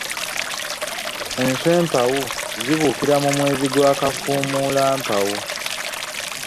Enswa empawu zaabuukiranga mu mwezi gwa Kafumuulampawu.